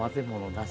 なし？